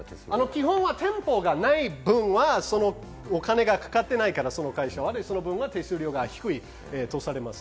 基本は店舗がない分はそのお金がかかっていないから、その会社はね、手数料が低いとされます。